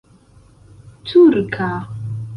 turka